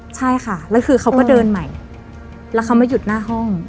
ใช่ค่ะแล้วคือเขาก็เดินใหม่แล้วเขามาหยุดหน้าห้อง